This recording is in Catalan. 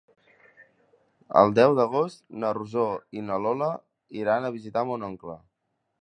El deu d'agost na Rosó i na Lola iran a visitar mon oncle.